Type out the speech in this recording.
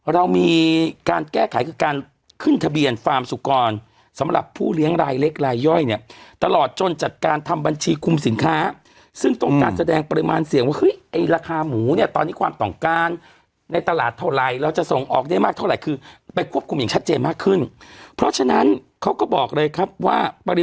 เรามีการแก้ไขคือการขึ้นทะเบียนฟาร์มสุกรสำหรับผู้เลี้ยงรายเล็กรายย่อยเนี่ยตลอดจนจัดการทำบัญชีคุมสินค้าซึ่งต้องการแสดงปริมาณเสี่ยงว่าเฮ้ยไอ้ราคาหมูเนี่ยตอนนี้ความต้องการในตลาดเท่าไรเราจะส่งออกได้มากเท่าไหร่คือไปควบคุมอย่างชัดเจนมากขึ้นเพราะฉะนั้นเขาก็บอกเลยครับว่าปริ